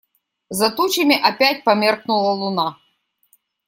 За тучами опять померкнула луна.